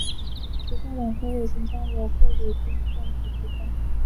其中的两颗卫星将由菲律宾政府制造。